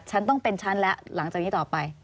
ฉันต้องเป็นฉันแล้วหลังจากนี้ต่อไป